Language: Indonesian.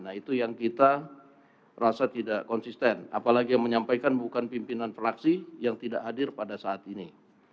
nah itu yang kita rasa tidak konsisten apalagi yang menyampaikan bukan pimpinan fraksi yang tidak hadir pada saat ini